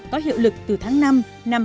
có hiệu lực từ tháng năm năm hai nghìn tám